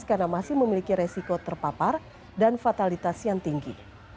karena masih memiliki resiko terpapar dan fatalitas yang tinggi